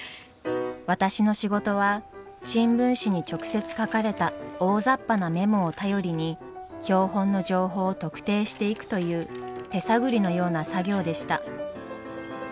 私の仕事は新聞紙に直接書かれた大ざっぱなメモを頼りに標本の情報を特定していくという手探りのような作業でした。